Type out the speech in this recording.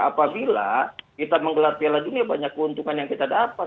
apabila kita menggelar piala dunia banyak keuntungan yang kita dapat